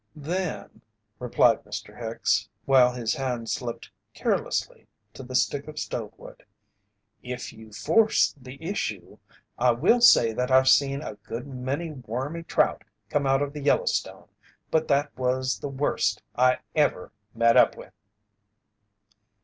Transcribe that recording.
"Then," replied Mr. Hicks, while his hand slipped carelessly to the stick of stove wood, "if you force the issue, I will say that I've seen a good many wormy trout come out of the Yellowstone but that was the worst I ever met up with."